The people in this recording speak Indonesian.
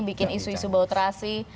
bikin isu isu bauterasi